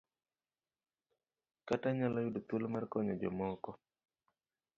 Kata nyalo yudo thuolo mar konyo jomoko.